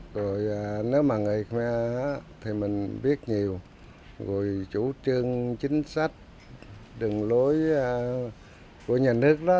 rồi nếu mà người khoe thì mình biết nhiều rồi chủ trương chính sách đường lối của nhà nước đó